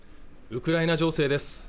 ウクライナ情勢です